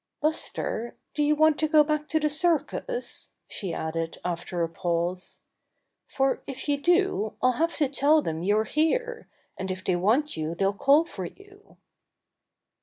"Buster, do you want to go back to the cir cus?" she added after a pause. "For if you do I'll have to tell them you're here, and if they want you they'll call for you."